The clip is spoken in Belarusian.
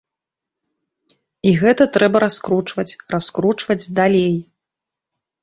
І гэта трэба раскручваць, раскручваць далей.